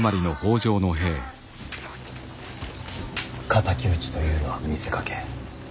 敵討ちというのは見せかけ。